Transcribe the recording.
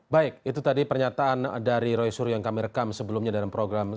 baik itu tadi pernyataan dari roy suryo yang kami rekam sebelumnya dalam program